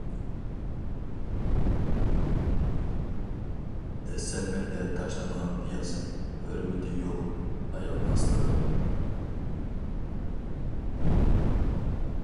دەسسەلمەكتە تاشلانغان پىياز، ھۆرمىتى يوق ئاياغ ئاستىدا.